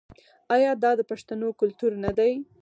آیا دا د پښتنو کلتور نه دی؟